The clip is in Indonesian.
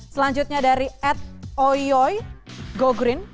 selanjutnya dari atoyoygogrin